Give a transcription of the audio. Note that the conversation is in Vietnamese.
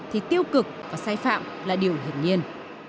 thì tiêu cực và sai phạm là điều hiển nhiên